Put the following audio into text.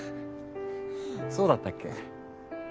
そうだったっけ？